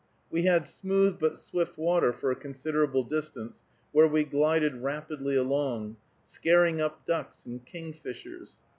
We had smooth but swift water for a considerable distance, where we glided rapidly along, scaring up ducks and kingfishers.